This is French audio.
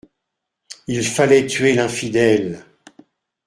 Il fallait tuer l'infidèle.